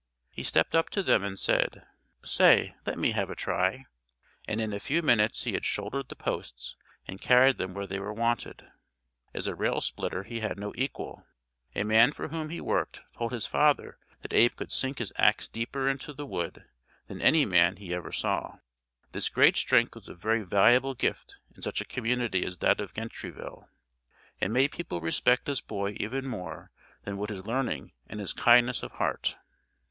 He stepped up to them and said, "Say, let me have a try," and in a few minutes he had shouldered the posts and carried them where they were wanted. As a rail splitter he had no equal. A man for whom he worked told his father that Abe could sink his axe deeper into the wood than any man he ever saw. This great strength was a very valuable gift in such a community as that of Gentryville, and made people respect this boy even more than would his learning and his kindness of heart.